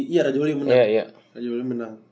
iya raja wali yang menang